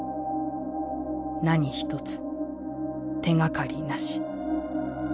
何一つ手がかりなし」。